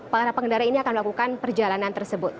para pengendara ini akan melakukan perjalanan tersebut